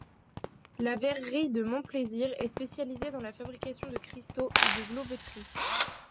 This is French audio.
La verrerie de Montplaisir est spécialisée dans la fabrication de cristaux et de Globeterie.